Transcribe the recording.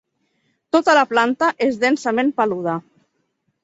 Tota la planta és densament peluda.